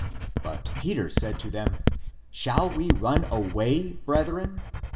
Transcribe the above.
"^^ But '^^ Peter said to them, "Shall we run away, brethren?"